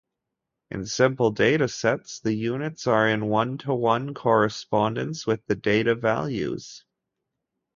In simple data sets, the units are in one-to-one correspondence with the data values.